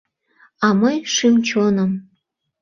А мый, шӱм-чоным